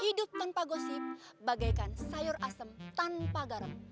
hidup tanpa gosip bagaikan sayur asem tanpa garam